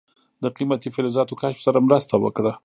د قیمتي فلزاتو کشف سره مرسته وکړه.